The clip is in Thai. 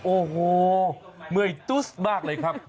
โอ้โหเมื่อยตุ๊สมากเลยครับ